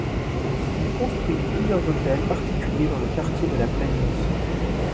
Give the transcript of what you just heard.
Il construit plusieurs hôtels particuliers dans le quartier de la plaine Monceau.